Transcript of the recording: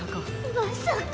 まさか。